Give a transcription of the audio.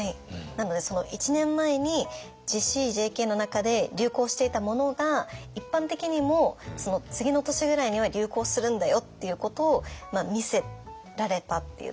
なのでその１年前にＪＣ・ＪＫの中で流行していたものが一般的にもその次の年ぐらいには流行するんだよっていうことを見せられたっていうところが。